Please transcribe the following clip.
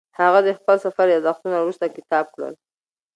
هغه د خپل سفر یادښتونه وروسته کتاب کړل.